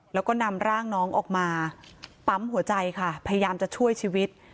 แล้วก็นำร่างน้องออกมาปั๊มหัวใจค่ะพยายามจะช่วยชีวิต